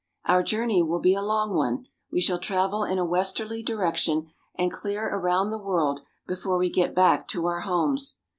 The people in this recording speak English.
Our journey will be a long one. We shall travel in a westerly direction, and clear around the world before we get back to our homes.